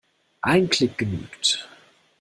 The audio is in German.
Ein Klick genügt.